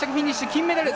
金メダル。